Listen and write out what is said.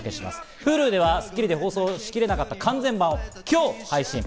Ｈｕｌｕでは『スッキリ』で放送しきれなかった完全版を今日配信。